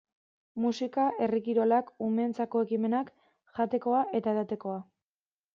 Musika, herri kirolak, umeentzako ekimenak, jatekoa eta edatekoa...